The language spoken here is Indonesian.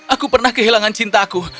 aku pernah kehilangan cintaku